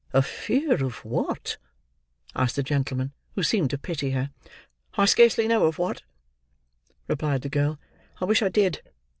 "A fear of what?" asked the gentleman, who seemed to pity her. "I scarcely know of what," replied the girl. "I wish I did.